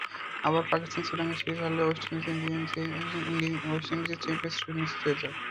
আবার পাকিস্তান শ্রীলঙ্কা সিরিজ হারলে ওয়েস্ট ইন্ডিজের চ্যাম্পিয়নস ট্রফি নিশ্চিত হয়ে যাবে।